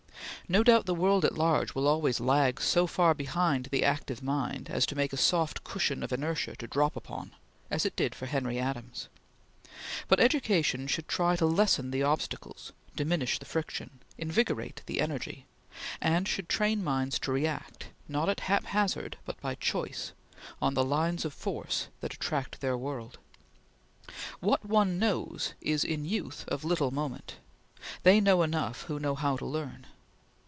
No doubt the world at large will always lag so far behind the active mind as to make a soft cushion of inertia to drop upon, as it did for Henry Adams; but education should try to lessen the obstacles, diminish the friction, invigorate the energy, and should train minds to react, not at haphazard, but by choice, on the lines of force that attract their world. What one knows is, in youth, of little moment; they know enough who know how to learn.